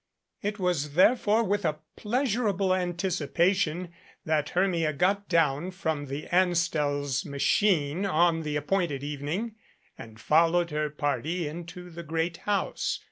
It was, therefore, with a pleasurable anticipation that Hermia got down from the Anstell's machine on the ap pointed evening, and followed her party into the great house.